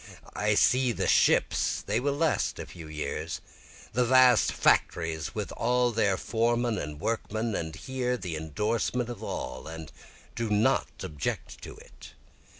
I see the ships, (they will last a few years,) The vast factories with their foremen and workmen, And hear the indorsement of all, and do not object to it.